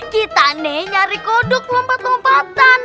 kita nih nyari koduk lompat lompatan